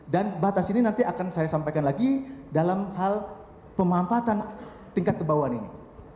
dan batas ini nanti akan saya sampaikan lagi dalam hal pemampatan tingkat kebauan ini